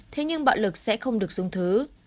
thế nhưng bạo lực sẽ không được dung thứ